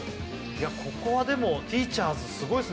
いやここはでもティーチャーズすごいっすね